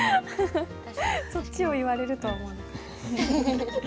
そっちを言われるとは思わなかった。